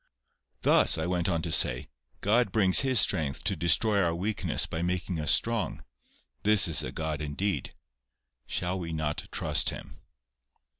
"Thus," I went on to say, "God brings His strength to destroy our weakness by making us strong. This is a God indeed! Shall we not trust Him?"